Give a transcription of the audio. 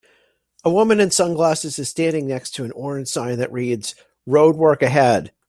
A woman in sunglasses is standing next to an orange sign that reads RoadWork Ahead.